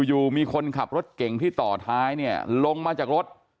อยู่มีคนขับรถเก่งที่ต่อท้ายเนี่ยลงมาจากรถ